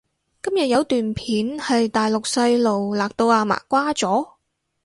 今日有段片係大陸細路勒到阿嫲瓜咗？